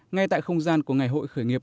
ngay tại không gian của ngày hội khởi nghiệp